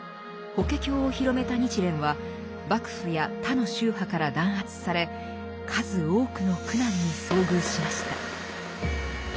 「法華経」を広めた日蓮は幕府や他の宗派から弾圧され数多くの苦難に遭遇しました。